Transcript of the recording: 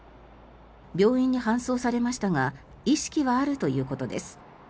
病院に搬送されましたが意識はあるということです。